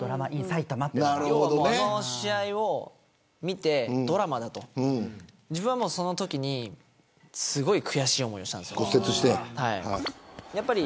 あの試合を見てドラマだと自分は、そのときにすごく悔しい思いをしたんです。